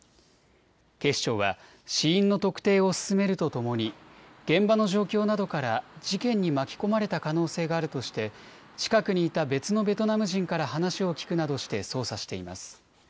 警視庁は死因の特定を進めるとともに現場の状況などから事件に巻き込まれた可能性があるとして近くにいた別のベトナム人から話を聞くなどして捜査しています。